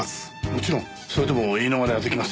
もちろんそれでも言い逃れは出来ます。